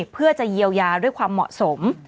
เพื่อจะเยียวยาด้วยความเหมาะสม